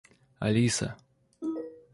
Алиса